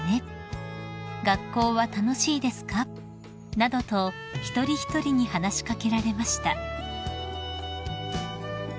「学校は楽しいですか？」などと一人一人に話し掛けられました］